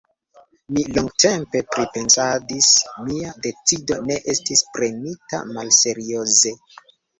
Mi longatempe pripensadis: mia decido ne estis prenita malserioze.